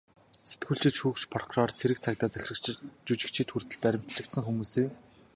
Сэтгүүлчид, шүүгч, прокурор, цэрэг цагдаа, захирагчид, жүжигчид хүртэл баривчлагдсан хүмүүсийн дотор байжээ.